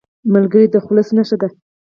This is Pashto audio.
ملګری د خلوص نښه ده